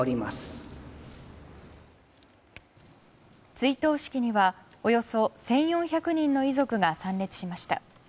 追悼式にはおよそ１４００人の遺族が参列しました。